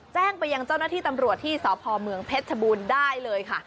แจ้งไปยังเจ้าหน้าที่ตำรวจที่สพเมืองเพชรชบูรณ์ได้เลยค่ะ